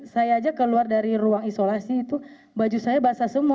saya aja keluar dari ruang isolasi itu baju saya basah semua